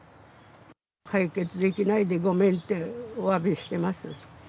解決できないでごめんっておわびしてます。